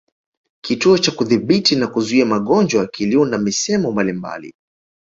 Kituo cha Kudhibiti na Kuzuia magonjwa kiliunda misemo mbalimbali